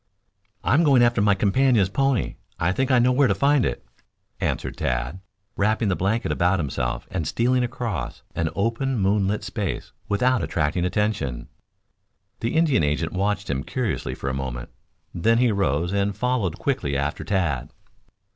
"I'm going after my companion's pony. I think I know where to find it," answered Tad, wrapping the blanket about himself and stealing across an open moonlit space without attracting attention. The Indian agent watched him curiously for a moment; then he rose and followed quickly after Tad.